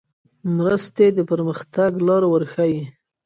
مرستې د پرمختګ لار ورښیي.